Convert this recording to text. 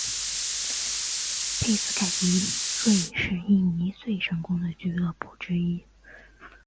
佩斯凯迪瑞是印尼最成功的俱乐部之一。